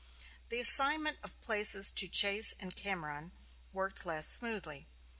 The assignment of places to Chase and Cameron worked less smoothly.